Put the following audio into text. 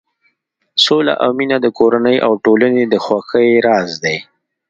سوله او مینه د کورنۍ او ټولنې د خوښۍ راز دی.